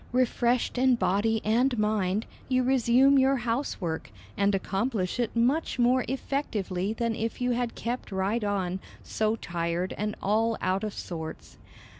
Refreshed in body and mind, you resume your housework, and accomplish it much more effectively than if you had kept right on, so tired and all out of sorts.